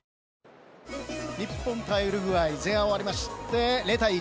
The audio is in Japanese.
日本対ウルグアイ前半が終わりまして０対１。